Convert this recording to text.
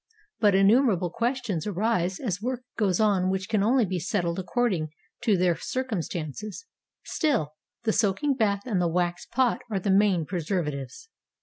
But innumerable questions arise as work goes on which can only be settled accord ing to their circumstances: still, the soaking bath and the wax pot are the main preservatives.